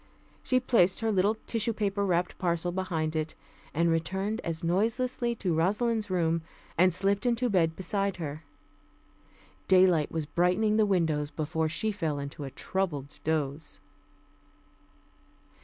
She placed her little tissue paper wrapped parcel behind it, and returned as noiselessly to Rosalind's room, and slipped into bed beside her.... Daylight was brightening the windows before she fell into a troubled doze.